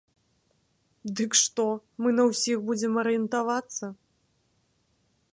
Дык што, мы на ўсіх будзем арыентавацца?